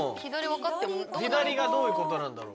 左がどういうことなんだろう。